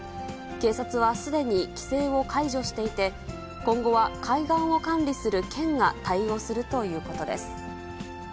警察はすでに規制を解除していて、今後は海岸を管理する県が対応するということです。